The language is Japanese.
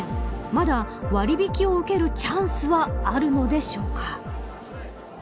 まだ割引を受けるチャンスはあるのでしょうか。